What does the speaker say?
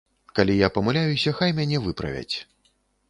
Калі я памыляюся, хай мяне выправяць.